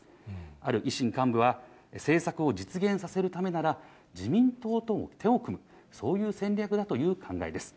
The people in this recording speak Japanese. ある維新幹部は、政策を実現させるためなら、自民党とも手を組む、そういう戦略だという考えです。